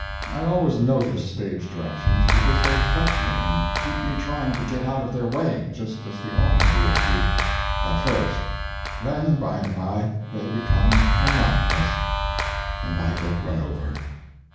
I always notice stage directions, because they fret me and keep me trying to get out of their way, just as the automobiles do. At first; then by and by they become monotonous and I get run over.